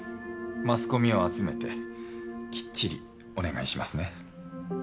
マスコミを集めてきっちりお願いしますね。